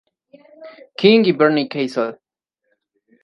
King y Barney Kessel.